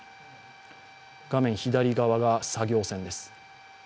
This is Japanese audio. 画面左側が作業船です。